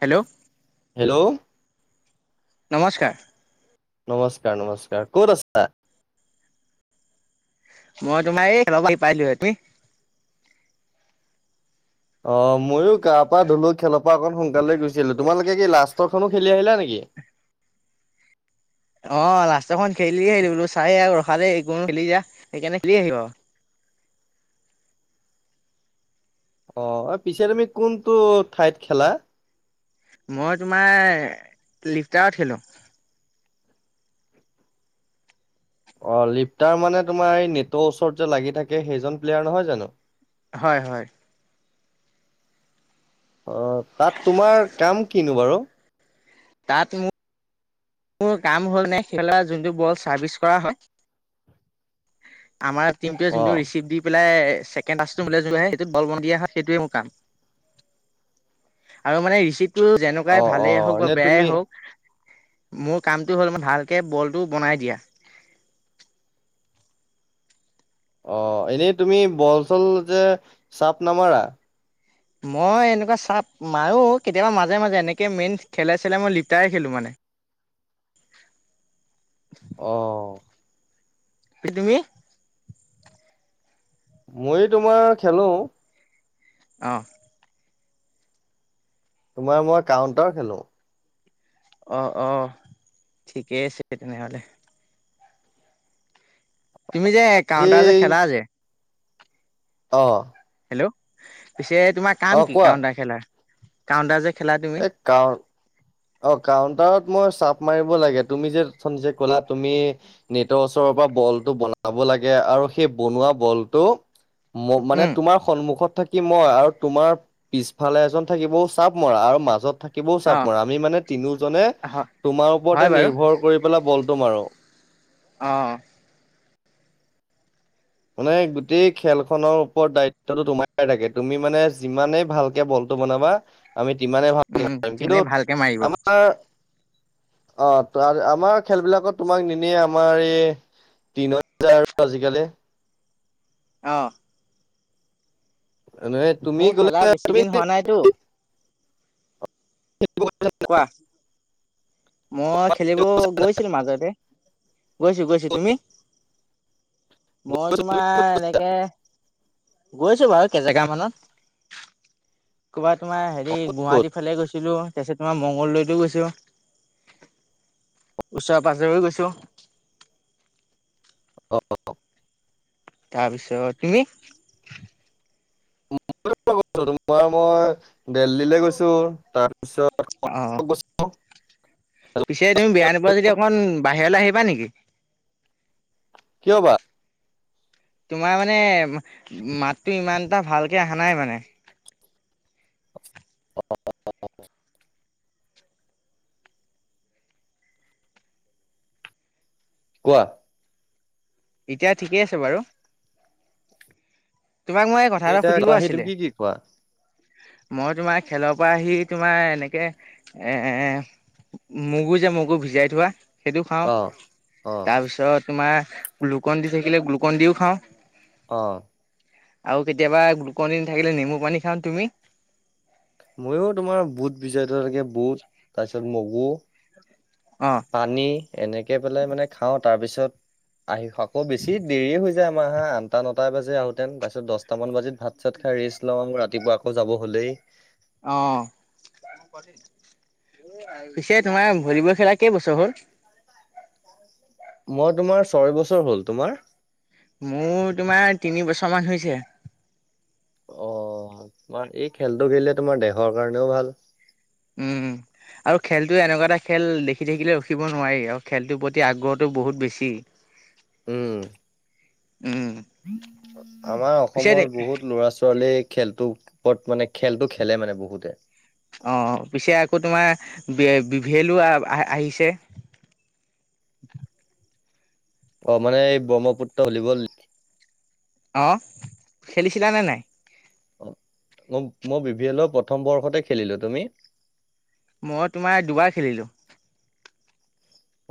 Hello. Hello. নমস্কাৰ। নমস্কাৰ নমস্কাৰ ক'ত আছা? মই তোমাৰ এই খেলৰ পৰা আহি পাইছোঁ হে তুমি? অ', ময়ো গা পা ধুলু খেলৰ পৰা অকণ সোনকালে গুছি আহিলোঁ, তোমালোকে কি লাষ্টৰখনো খেলি আহিলা নেকি? অ', লাষ্টৰখন খেলি আহিলোঁ, বোলো চাই [unintelligible] কোনো খেলি [unintelligible] সেইকাৰণে খেলি আহিলোঁ আৰু। অ', পিছে তুমি কোনটো ঠাইত খেলা? মই তোমাৰ লিফটাৰত খেলোঁ। অ', লিফটাৰ মানে তোমাৰ এই নেটৰ ওচৰত যে লাগি থাকে সেইজন প্লেয়াৰ নহয় জানো? হয়, হয়। অ', তাত তোমাৰ কাম কিনো বাৰু? তাত মোৰ মোৰ কাম হ'ল নে সিফাল যোনটো বল চাৰ্ভিচ কৰা হয়। আমাৰ টিমটোৱে অ যোনটো ৰিচিভ্ দি পেলাই ছেকেণ্ড [unintelligible] সেইটোৱে মোৰ কাম আৰু মানে ৰিচিভটো অ যেনেকুৱাই অ ভালেই হওক বা এনে বেয়াই তুমি হওক মোৰ কামটো হ'ল, ভালকে বলটো বনাই দিয়া। অ, এনেই তুমি বল চল যে চাপ নামাৰা? মই এনেকুৱা চাপ মাৰোঁ কেতিয়াবা মাজে মাজে এনেকৈ মেইন খেলাই চেলাই মই লিটাৰ খেলোঁ মানে। অ'। কি তুমি? ময়ো তোমাৰ খেলোঁ। অ'। তোমাৰ মই কাউণ্টাৰ খেলোঁ। অ', অ', ঠিকে আছে তেনেহ'লে। তুমি যে আজি কাউণ্টাৰ যে খেলা যে অ'। হেল্ল' পিছে, তোমাৰ অ কাম কি কোৱা কাউন্টাৰ খেলাৰ, কাউন্টাৰ যে খেলা তুমি? [unintelligible] অ', কাউণ্টাৰত মই চাপ মাৰিব লাগে তুমি যে অথনি যে কলা তুমি। নেটৰ ওচৰৰ পৰা বলটো বনাব লাগে আৰু সেই বনোৱা বলটো ম- মানে উম তোমাৰ সন্মুখত থাকিম মই আৰু তোমাৰ পিছফালে এজন থাকিব চাব মৰা আৰু মাজত থাকিব অ', চাপমৰা, আমি মানে তিনিওজনে তোমাৰ ওপৰতে হয় বাৰু নিৰ্ভৰ কৰি ব'লা বলটো মাৰো। অ'। মানে গোটেই খেল খনৰ ওপৰত দায়িত্বটো তোমাৰ থাকে তুমি মানে যিমানেই ভালকে বল বনাবা আমি তিমানে ভাল উম পাৰিম তুমিনে কিন্তু ভালকে মাৰিব আমাৰ অ', আমাৰ খেল বিলাকত তোমাক নিনিয়ে আমাৰ এই [unintelligible] আৰু আজিকালি অ'। নহয়, তুমি মোৰ খেলা গ'লে বেছি তুমি দিন হোৱা নাইতো কোৱা। মই খেলিব গৈছিলোঁ মাজতে গৈছোঁ, গৈছোঁ, তুমি? মই তোমাৰ এনেকে গৈছোঁ বাৰু কেইজেগা মানত। ক'ৰবা তোমাৰ হেৰি গুৱাহাটী ফালে গৈছিলোঁ, তাৰপিছত তোমাৰ মংগলদৈতো গৈছোঁ। ওচৰে পাজৰেও গৈছোঁ। অ'। তাৰপিছত তুমি? তোমাৰ মই দেললি লৈ গৈছোঁ তাৰপিছত অ', পিছে তুমি বেয়া নুপুৱা যদি অকণ বাহিৰলৈ আহিবা নেকি? কিয় বা? তোমাৰ মানে মাতটো ইমান এটা ভালকৈ অহা নাই মানে। অ'। কোৱা। এতিয়া ঠিকেই আছে বাৰু তোমাক মই কথা এটা এতিয়া সুধিব আহি তুমি আছিলে। কি কি খোৱা মই তোমাৰ খেলৰ পৰা আহি তোমাৰ এনেকৈ মগু যে মগু ভিজাই থোৱা সেইটো খাওঁ অ অ তাৰপিছত তোমাৰ গ্লুকন দি থাকিলে গ্লুকন দিও খাওঁ। অ'। আৰু কেতিয়াবা গ্লুকনডি নাথাকিলে নেমু পানী খাওঁ তুমি। মইো তোমাৰ বুট ভিজাই থাকে বুট তাৰপিছত মগু অহ। পানী এনেকে পেলাই মানে খাওঁ তাৰ পিছত আহি আকৌ বেছি দেৰি হৈ যায়। আহা আঠটা নটা বাজি আহোঁতেন তাৰপিছত দহটামান বাজিত ভাত চাত খাই ৰেষ্ট লওঁ ৰাতিপুৱা আকৌ যাব হ'লেই। অ', পিছে তোমাৰ ভলীবল খেলা কেই বছৰ হল। মই তোমাৰ ছয় বছৰ হ'ল তোমাৰ? মোৰ তোমাৰ তিনি বছৰমান হৈছে। অ', তোমাৰ এই খেলটো খেলিলে তোমাৰ দেহৰ কাৰণেও ভাল। উম। আৰু খেলটো এনেকুৱা এটা খেল দেখি থাকিলে ৰখিব নোৱাৰি আৰু খেলটোৰ প্ৰতি আগ্ৰহটো বহুত বেছি। [inaudible] উম। উম। আমাৰ পিছে অসমৰ বহুত লৰা ছোৱালীক খেলটো ওৰত মানে খেলটো খেলে মানে বহুতে। অ', পিছে আকৌ তোমাৰ বি বিভেলো আহ আহ আহিছে। অ', মানে এই ব্ৰহ্মপুত্ৰ হল [unintelligible] অ', খেলিছিলা নে নাই। অ', ম মই বি ভি এলৰ প্ৰথম বৰ্ষতে খেলিলো তুমি? মই তোমাৰ দুবাৰ খেলিলো।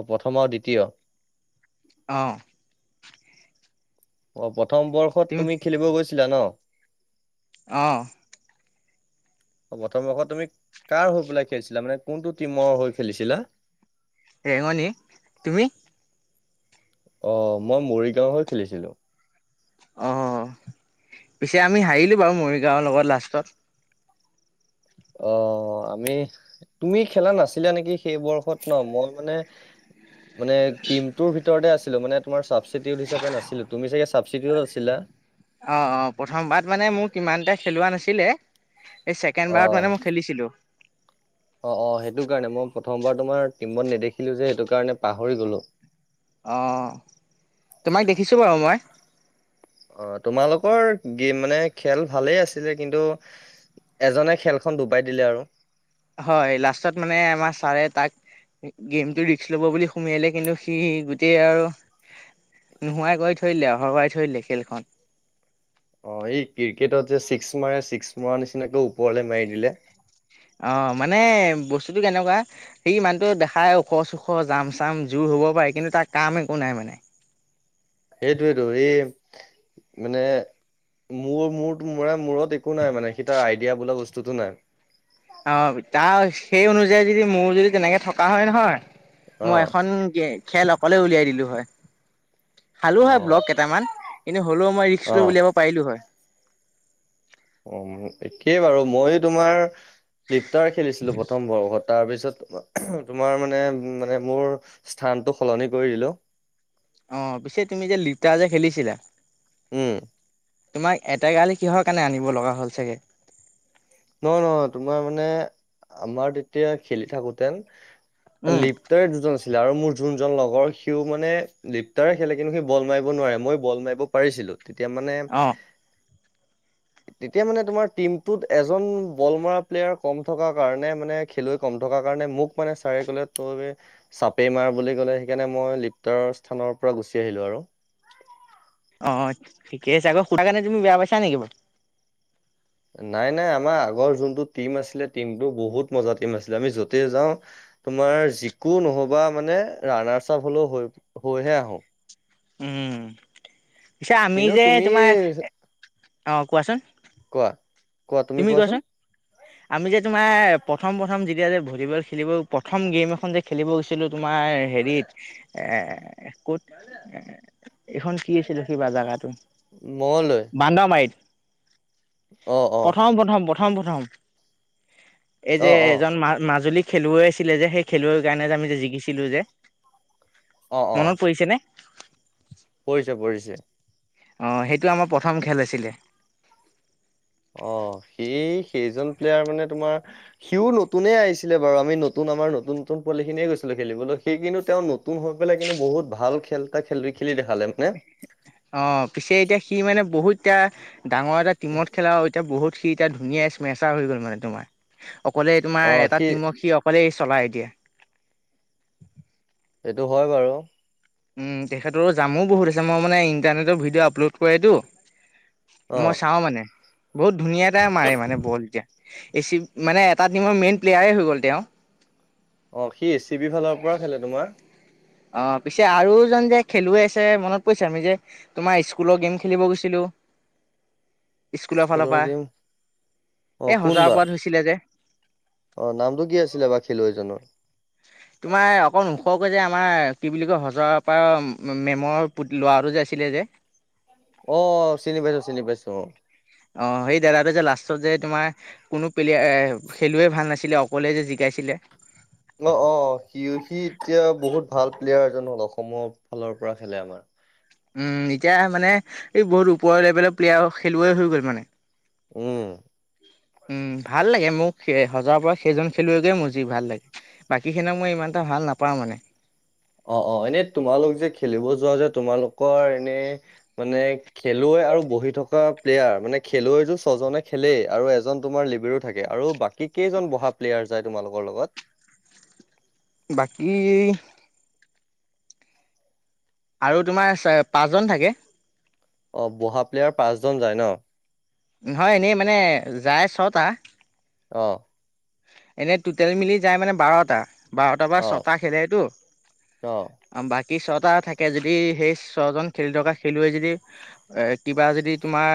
অ', প্ৰথম আৰু দ্বিতীয়। অ'। অ', প্ৰথম বৰ্ষত তুমি খেলিব গৈছিলা ন। অ'। অ', প্ৰথম বৰ্ষত তুমি কাৰ হৈ পেলাই খেলিছিলা মানে কোনটো টিমৰ হৈ খেলিছিলা। ৰেঙণী তুমি। অ', মই মৰিগাঁৱ হৈ খেলিছিলোঁ। অ', পিছে আমি হাৰিলোঁ বাৰু মৰিগাঁৱৰ লগত লাষ্টত। অ', আমি তুমি খেলা নাছিলা নেকি সেই বৰ্ষত ন মই মানে মানে টিমটোৰ ভিতৰতে আছিলো মানে তোমাৰ ছাবচিডিউ হচাপে নাছিলো তুমি চাগে চাবচিডিউত আছিলা। অ', অ', প্ৰথম বাৰত মানে মোক কিমান এটা খেলোৱা নাছিলে এই ছেকেণ্ড অ বাৰত মানে মোক খেলিছিলোঁ। অ', অ', সেইটো কাৰণে মই প্ৰথমবাৰ তোমাৰ টিমত নেদেখিলো যে সেইটো কাৰণে পাহৰি গলো। অ', তোমাক দেখিছোঁ বাৰু মই। অ', তোমালোকৰ গে মানে খেল ভালেই আছিলে কিন্তু এজনে খেলখন ডুবাই দিলে আৰু। হয় লাষ্টত মানে আমাৰ ছাৰে তাক গেমতটো ৰিস্ক ল'ব বুলি সোমিয়ালে কিন্তু সি গোটেই আৰু নোহোৱাই কৰি থৈ দিলে হোৰুৱাই থৈ দিলে খেলখন। অ', এই ক্ৰিকেটত যে ছিক্স মাৰে ছিক্স মৰাৰ নিচিনাকে ওপৰলে মাৰি দিলে। অ', মানে বস্তুটো কেনেকুৱা। সেই মানুহটোে দেখাই ওখ চোখ জাম চাম জোৰ হ'ব পাৰে কিন্তু তাৰ কাম একো নাই মানে। সেইটোয়েইেটো এই মানে মোৰ মোৰ ম মূৰত একো নাই মানে সি তাৰ আইডিয়া বোলা বস্তুতটো নাই। অ', তাৰ সেই অনুযায়ী যদি মোৰ যদি তেনেকে থকা হয়, নহয়। অ মই এখন খেল অকলে উলিয়াই দিলো হয়। খালো অ হয়, ব্লক কেইটামান কিন্তু হ'লেও মই ৰিক্স অ লৈ উলিয়াব পাৰিলো হয়। উম, একেইে বাৰু মই তোমাৰ লিপটাৰ খেলিছিলো প্ৰথম বৰ্ষত। তাৰ পিছত তোমাৰ মানে মানে মোৰ স্থানটো সলনি কৰি দিলো। অ', পিছে তুমি যে লিপতাৰ যে, খেলিছিলা। উম। তোমাক এটেকাৰলে কিহৰ কাৰণে আনিব লগা হ'ল চাগে? নহয়, নহয়, তোমাৰ মানে আমাৰ তেতিয়া খেলি থাকোতেন উম লিপ প্তাৰ দুজন আছিলে আৰু মোৰ যোনজন লগৰ সিও মানে লিপটাৰে খেলে কিন্তু সি বল মাৰিব নোৱাৰে মই বল মাৰিব পাৰিছিলোঁ তেতিয়া মানে অ', তেতিয়া মানে তোমাৰ টীমটোত এজন বল মৰা প্লেয়াৰ কম থকা কাৰণে মানে, খেলুৱৈ কম থকা কাৰণে মোক মানে চাৰে গ'লে তই চাপেইমাৰ বুলি ক'লে, সেইকাৰণে মই লিপ্তাৰ স্থানৰ পৰা গুচি আহিলো আৰু। অ', ঠিকে আছে, আকৌ সুধা কাৰণে তুমি বেয়া পাইছা নেকি বাৰু? নাই নাই আমাৰ আগৰ যোনটো টিম আছিলে টিমটো বহুত মজা টিম আছিলে, আমি য'তেই যাওঁ তোমাৰ যিকো নহবা মানে ৰানাৰ চাপ হলেও হৈ হৈহে আহোঁ। উম', পিছে আমি কিন্তু যে, তুমি তোমাৰ অ', কোৱাচোন কোৱা। তুমি কোৱাচোন। আমি যে, তোমাৰ প্ৰথম প্ৰথম যেতিয়া যে ভলীবল খেলিব প্ৰথম গেম এখন যে, খেলিব গৈছিলোঁ তোমাৰ হেৰিত ক'ত এখন কি আছিল ৰখিবা জাগাটো। মঙলদৈ। বান্দৰমাৰিত। অ', অ'। প্ৰথম প্ৰথম প্ৰথম প্ৰথম এই অ যে, অ এজন মাজুলী খেলুৱৈ আহিছিলে যে, সেই খেলুৱৈ কাৰণে যে, আমি যে, জিকিছিলো যে, অ অ মনত পৰিছে নে? পৰিছে পৰিছে। অঁ', সেইটো আমাৰ প্ৰথম খেল আছিলে। অ', সেই সেইজন প্লেয়াৰ মানে তোমাৰ সিও নতুনেই আহিছিলে বাৰু আমি নতুন আমাৰ নতুন নতুন পোৱালী খিনিয়ে গৈছিলে খেলিবলৈ সি কিন্তু তেওঁ নতুন হৈ পেলাই কিন্তু বহুত ভাল খেল এটা খেলি খেলি দেখালে মানে। অ', পিছে এতিয়া সি মানে বহুত এতিয়া ডাঙৰ এটা টিমত খেলা হয়। এতিয়া বহুত সি এতিয়া ধুনীয়া স্মেচাৰ হৈ গ'ল মানে তোমাৰ, অকলে তোমাৰ এটা টিমক সি অকলে চলাই এতিয়া। এইটো হয়, বাৰু। উম, তেখেতৰো জামো বহুত আছে, মই মানে ইণ্টাৰনেটৰ ভিডিঅ' আপলোড কৰেতো। অ মই চাও মানে, বহুত ধুনীয়া এটাই মাৰে মানে বল এতিয়া। এ চি মানে এটা টিমৰ মেইন প্লেয়াৰে হৈ গ'ল তেওঁ। অ', সি এ চি বি ফালৰ পৰা খেলে তোমাৰ। অ', পিছে আৰুজন যে, খেলুৱৈ আছে মনত পৰিছে আমি যে তোমাৰ স্কুলৰ গেম খেলিব গৈছিলো। স্কুলৰ ফালৰ পৰা অ এই কোন বা হজৰাপৰাত হৈছিলে যে। অ', নামটো কি আছিলে বাৰু খেলুৱৈজনৰ? তোমাৰ অকণ ওখকৈ যে, আমাৰ কি বুলি কয় হজৰাপৰা মেমৰ পুট ল'ৰাটো যে, আছিলে যে। অ', চিনি পাইছো চিনি পাইছো অ'। অ', সেই দাদাটোৱে লাষ্টত যে, তোমাৰ কোনো প্লেয়াৰ খেলুৱৈ ভাল নাছিলে অকলে যে জিকাইছিলে। অ', অ', সি সি এতিয়া বহুত ভাল প্লেয়াৰ এজন হ'ল অসমৰ ফালৰ পৰা খেলে আমাৰ। উম, এতিয়া মানে এই বহুত ওপৰৰ লেভেলৰ প্লেয়াৰ খেলুৱৈ হৈ গ'ল মানে। উম। উম, ভাল লাগে মোক হজৰাপৰাৰ সেইজন খেলুৱৈকে মোৰ যি ভাল লাগে। বাকীখিনও মই ইমান এটা ভাল নাপাওঁ মানে। অ', অ', এনেই তোমালোক যে খেলিব যোৱা যে তোমালোকৰ এনে মানে খেলুৱৈ আৰু বহি থকা প্লেয়াৰ মানে খেলুৱৈটো ছজনে খেলেই আৰু এজন তোমাৰ লিবেৰো থাকে আৰু বাকী কি কেইজন বহা প্লেয়াৰ যায় তোমালোকৰ লগত। বাকী আৰু তোমাৰ পাঁচজন থাকে। অ', বহা প্লেয়াৰ পাঁচজন যায় ন। নহয় এনেই মানে যায় ছটা। অ'। এনেই টুটেল মিলি যায় মানে বাৰটা বাৰটাৰ পৰা অ ছটা খেলেটো। অ বাকী ছটা থাকে যদি সেই ছজন খেলি থকা খেলুৱৈ যদি এ কিবা যদি তোমাৰ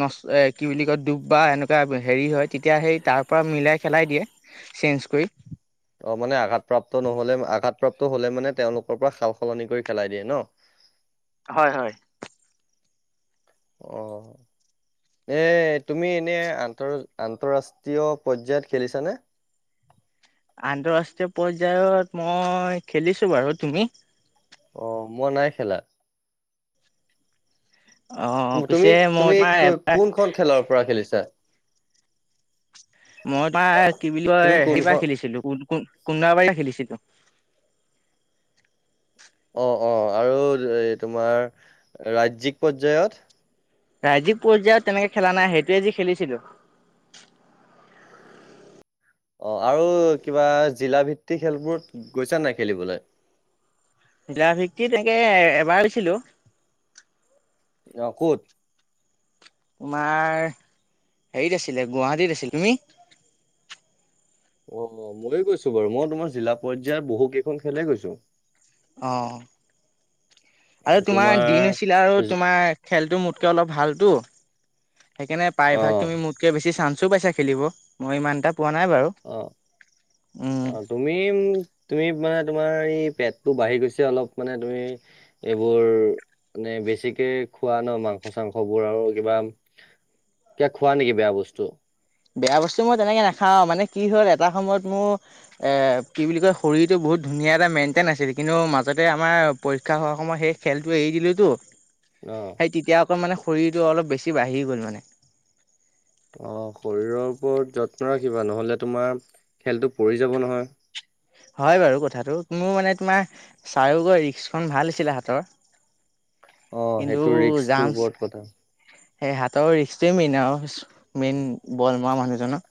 ন কি বুলি কয় ডুব বা এনেকুৱা হেৰি হয় তেতিয়া সেই তাৰ পৰা মিলাই খেলাই দিয়ে চেঞ্জ কৰি। অ', মানে আঘাতপ্ৰাপ্ত নহলে আঘাতপ্ৰাপ্ত হ'লে মানে তেওঁলোকৰ পৰা সাল সলনি কৰি খেলাই দিয়ে ন। হয়, হয়। অ [inaudible] এ তুমি এনে আন্ত আন্তৰাষ্ট্ৰীয় পৰ্যায়ত খেলিছানে? আন্তৰাষ্ট্ৰীয় পৰ্যায়ত মই খেলিছোঁ বাৰু, তুমি? অ', মই নাই খেলা। অ তুমি, পিছে মই তুমি তোমাৰ কোনখন খেলৰ পৰা খেলিছা। মই তাৰ কি বুলি কয় তুমি সেইবাৰ কোনখন খেলিছিলোঁ কুন্দাবাৰি খেলিছিলোঁ। অ', অ', আৰু এ তোমাৰ ৰাজ্যিক পৰ্যায়ত ৰাজিক পৰ্যায়ত তেনেকে খেলা নাই সেইটোৱে যি খেলিছিলোঁ। অ', আৰু কিবা জিলা ভিত্তিক খেলবোৰত গৈছা নাই খেলিবলৈ। জিলা ভিত্তিত তেনেকে এবাৰ আ [unintelligible] অ', ক'ত? তোমাৰ হেৰিত আছিলে গুৱাহাটীত আছিল, তুমি? অ', ময়ো গৈছো বাৰু মই তোমাৰ জিলা পৰ্যায়ত বহু কেইখন খেলেই গৈছো। অ', আৰু তোমাৰ দিন হৈছিলে আৰু তোমাৰ খেলটো মোতকৈ অলপ ভালটো সেইকাৰণে অ প্ৰায়ভাগ তুমি মোত কে বেছি চান্সো পাইছা খেলিব মই ইমান এটা পোৱা নাই বাৰু। অ অ তুমি তুমি মানে তোমাৰ এই পেটটো বাঢ়ি গৈছে অলপ মানে তুমি এইবোৰ মানে বেছিকে খোৱা ন মাংস চাংস বোৰ আৰু কিবা এ খুৱা নেকি বেয়া বস্তু বেয়া বস্তু মই তেনেকে নাখাও মানে কি হ'ল এটা সময়ত মোৰ কি বুলি কয় শৰীৰটো বহুত ধুনীয়া এটা মেইন্টেইন আছিল কিন্তু মাজতে আমাৰ পৰীক্ষা হোৱাৰ সময় সেই খেলটো এৰি দিলোঁতো অহ। খাই তেতিয়া আকৌ মানে শৰীৰটো অলপ বেছি বাঢ়ি গ'ল মানে। অ', শৰীৰৰ ওপৰত যত্ন ৰাখিবা নহ'লে তোমাৰ খেলতটো পৰি যাব নহয়। হয় বাৰু কথাটো মোৰ মানে তোমাৰ চাৰগৈ ৰিস্কখন ভাল আছিলে হাতৰ। অ', কিন্তু সেইটো ৰিস্কটো জাম্পছ ওপৰত কথা। সেই হাতৰ ৰিক্সটোৱে মেইন আৰু মেইন বল মৰা মানুহজনৰ